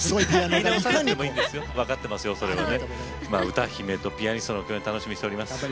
歌姫とピアニストの共演楽しみにしております。